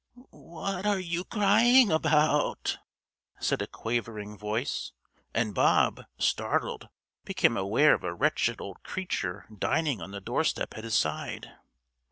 "What are you crying about?" said a quavering voice, and Bob, startled, became aware of a wretched old creature dining on the doorstep at his side.